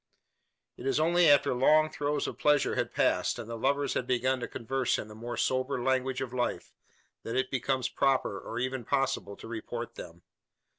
It is only after long throes of pleasure had passed, and the lovers had begun to converse in the more sober language of life, that it becomes proper, or even possible to report them.